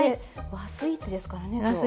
和スイーツですからね今日。